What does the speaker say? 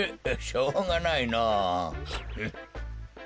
しょうがないのぉ。